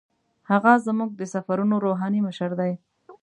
هغه زموږ د سفرونو روحاني مشر دی.